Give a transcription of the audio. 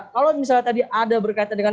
kalau misalnya tadi ada berkaitan dengan